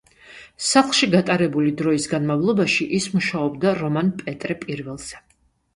სახლში გატარებული დროის განმავლობაში ის მუშაობდა რომან „პეტრე პირველზე“.